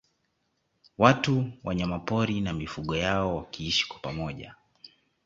Watu Wanyamapori na mifugo yao wakiishi kwa pamoja